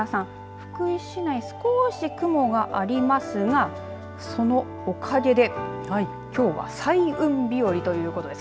福井市内、少し雲がありますがそのおかげできょうは彩雲日和ということです。